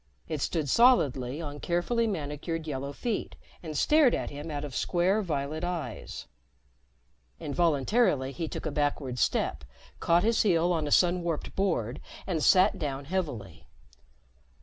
It stood solidly on carefully manicured yellow feet and stared at him out of square violet eyes. Involuntarily he took a backward step, caught his heel on a sun warped board and sat down heavily.